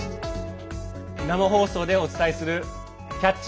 生放送でお伝えする「キャッチ！